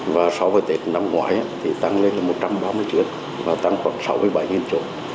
và so với tết năm ngoái thì tăng lên là một trăm ba mươi chuyến và tăng khoảng sáu mươi bảy chỗ